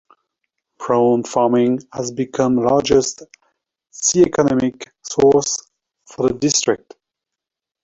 Prawn farming has become largest sea economic source for the district.